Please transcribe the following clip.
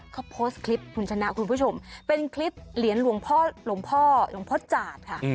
เขาโพสต์คลิปคุณชนะคุณผู้ชมเป็นคลิปเหรียญหลวงพ่อหลวงพ่อจาดค่ะ